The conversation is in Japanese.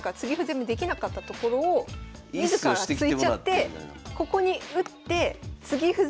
攻めできなかったところを自ら突いちゃってここに打って継ぎ歩